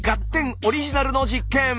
オリジナルの実験！